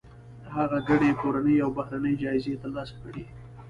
هغې ګڼې کورنۍ او بهرنۍ جایزې ترلاسه کړي.